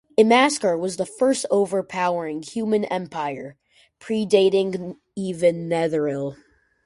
Imaskar was the first overpowering human empire, predating even Netheril.